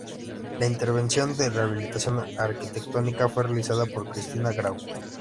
La intervención de rehabilitación arquitectónica fue realizada por Cristina Grau.